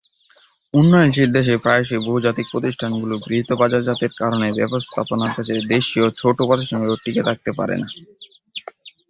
উন্নয়নশীল দেশে প্রায়শঃই বহুজাতিক প্রতিষ্ঠানগুলোর গৃহীত বাজারজাতকরণ ব্যবস্থাপনার কাছে দেশী ছোট প্রতিষ্ঠানগুলো টিকে থাকতে পারে না।